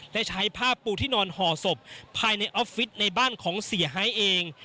ได้ใช้ผ้าปูที่นอนห่อศพภายในออฟฟิศในบ้านของเสียหายเอง